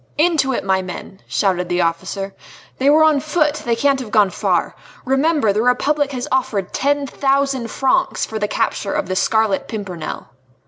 "Into it, my men!" shouted the officer; "they were on foot! They can't have gone far. Remember the Republic has offered ten thousand francs for the capture of the Scarlet Pimpernel."